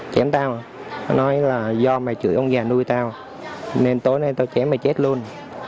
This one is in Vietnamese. chém tao nó nói là do mày chửi ông già nuôi tao nên tối nay tao chém mày chết luôn